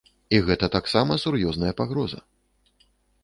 І гэта таксама сур'ёзная пагроза.